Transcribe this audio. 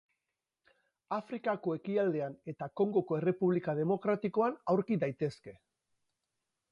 Afrikako ekialdean eta Kongoko Errepublika Demokratikoan aurki daitezke.